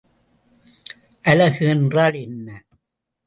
அலகு என்றால் என்ன?